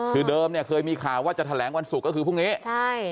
คือเดิมเนี่ยเคยมีข่าวว่าจะแถลงวันศุกร์ก็คือพรุ่งนี้ใช่